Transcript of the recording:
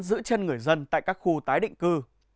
giữ chân người dân tại các khu tái định cư